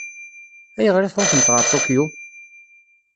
Ayɣer i tṛuḥemt ɣer Tokyo?